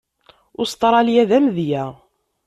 Ustṛalya d amedya.